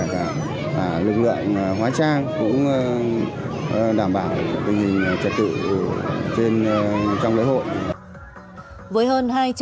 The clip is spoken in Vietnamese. cả lực lượng hóa trang cũng đảm bảo tình hình trật tự trên trong lễ hội